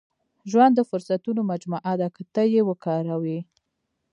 • ژوند د فرصتونو مجموعه ده، که ته یې وکاروې.